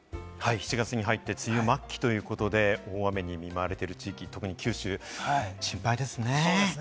７月に入って梅雨末期ということで、大雨に見舞われている地域、特に九州、心配ですね。